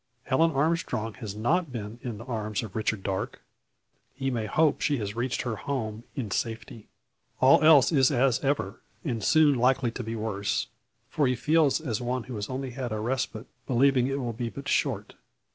Helen Armstrong has not been in the arms of Richard Darke. He may hope she has reached her home in safety. All else is as ever, and soon likely to be worse. For he feels as one who has only had a respite, believing it will be but short.